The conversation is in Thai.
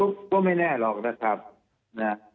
ก็ไม่แน่หรอกนะครับนะ